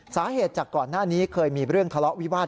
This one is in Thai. สาเหตุจากก่อนหน้านี้เคยมีเรื่องทะเลาะวิวาส